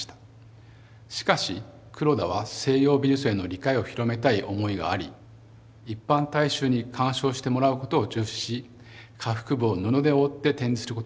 しかし黒田は西洋美術への理解を広めたい思いがあり一般大衆に鑑賞してもらうことを重視し下腹部を布で覆って展示することにしました。